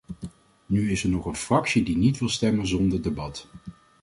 Nu is er nog een fractie die niet wil stemmen zonder debat.